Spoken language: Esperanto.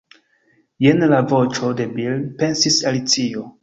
"Jen la voĉo de Bil," pensis Alicio.